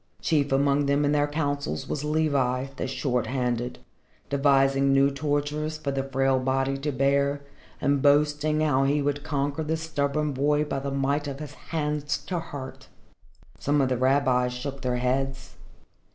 Chief among them in their councils was Levi, the Short handed, devising new tortures for the frail body to bear and boasting how he would conquer the stubborn boy by the might of his hands to hurt. Some of the rabbis shook their heads.